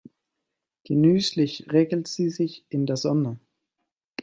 Genüsslich räkelt sie sich in der Sonne.